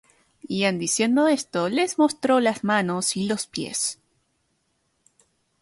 Y en diciendo esto, les mostró las manos y los pies.